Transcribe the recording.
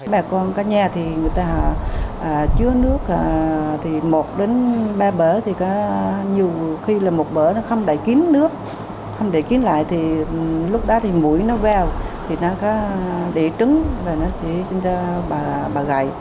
bà con có nhà thì người ta chứa nước thì một đến ba bữa thì có nhiều khi là một bữa nó không đẩy kín nước không đẩy kín lại thì lúc đó thì mũi nó veo thì nó có đẩy trứng và nó sẽ sinh ra bà gái